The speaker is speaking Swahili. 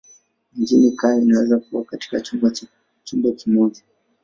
Mjini kaya inaweza kukaa katika chumba kimoja.